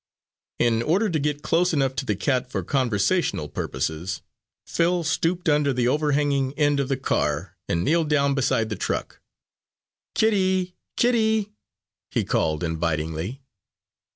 In order to get close enough to the cat for conversational purposes, Phil stooped under the overhanging end of the car, and kneeled down beside the truck. "Kitty, Kitty!" he called, invitingly.